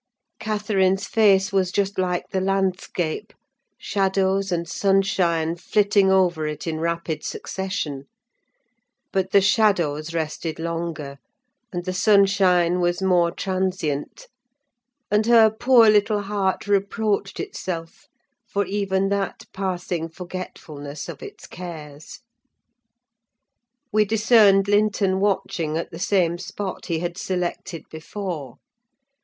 Catherine's face was just like the landscape—shadows and sunshine flitting over it in rapid succession; but the shadows rested longer, and the sunshine was more transient; and her poor little heart reproached itself for even that passing forgetfulness of its cares. We discerned Linton watching at the same spot he had selected before.